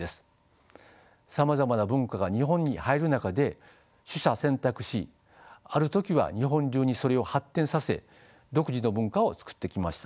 さまざまな文化が日本に入る中で取捨選択しある時は日本流にそれを発展させ独自の文化をつくってきました。